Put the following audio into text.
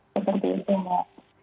seperti itu mbak